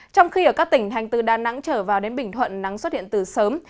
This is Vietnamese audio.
trong khi ở các tỉnh hành từ đà nẵng trở vào đến bình thuận nắng xuất hiện từ sớm